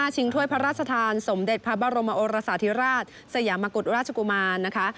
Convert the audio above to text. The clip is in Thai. ถ้วยพระราชทานสมเด็จพระบรมโอรสาธิราชสยามกุฎราชกุมารนะคะ